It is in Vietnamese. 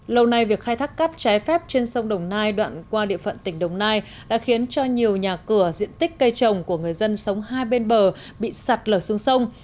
lâu nay việc khai thác cát trái phép trên sông đồng nai đoạn qua địa phận tỉnh đồng nai đã khiến cho nhiều nhà cửa diện tích cây trồng của người dân sống hai bên bờ bị sạt lở xuống sông